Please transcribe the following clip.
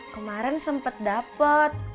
kemaren sempet dapet